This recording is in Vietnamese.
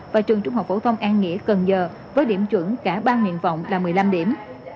và trường trung học phổ thông an nghĩa cần giờ với điểm chuẩn cả ba nguyện vọng là một mươi năm điểm